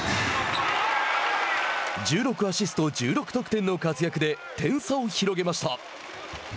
１６アシスト１６得点の活躍で点差を広げました。